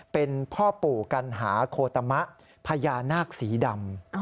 เป็นพ่อปู่กัณหาโคตมะพญานาคสีดำ